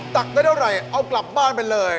ตักได้ด้วยอะไรเอากลับบ้านไปเลย